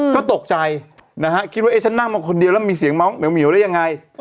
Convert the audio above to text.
ก็ตกใจนะฮะคิดว่าฉันนั่งมาคนเดียวแล้วมีเสียงเหวได้ยังไง